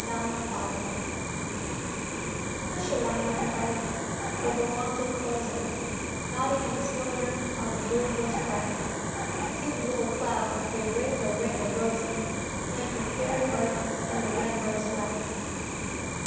RING O' ROSES Hush a while, my darling, for the long day closes, Nodding into slumber on the blue hill's crest. See the little clouds play Ring a ring o' roses, Planting Fairy gardens in the red rose West.